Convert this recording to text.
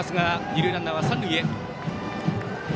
二塁ランナーは三塁へ。